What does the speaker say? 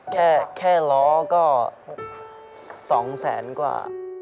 แค่แค่ร้องก็๒สันบาทกว่า